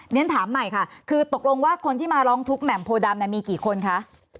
เรียนถามใหม่ค่ะคือตกลงว่าคนที่มาร้องทุกข์แหม่มโพดำมีกี่คนคะ